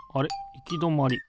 いきどまり。